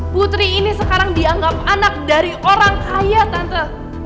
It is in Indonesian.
putri ini sekarang dianggap anak dari orang kaya tante